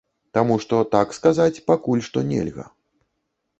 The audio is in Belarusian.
Таму што так сказаць пакуль што нельга.